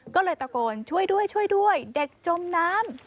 ก็เลยตะโกนช่วยด้วยช่วยด้วยเด็กจมน้ำ